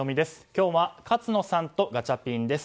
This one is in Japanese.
今日は勝野さんとガチャピンです。